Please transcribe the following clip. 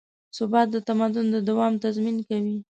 ثبات د تمدن د دوام تضمین کوي.